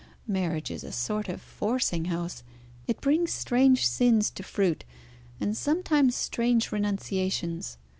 Marriage is a sort of forcing house. It brings strange sins to fruit, and sometimes strange renunciations.